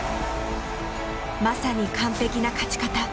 まさに完璧な勝ち方。